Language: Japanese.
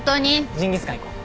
ジンギスカン行こう。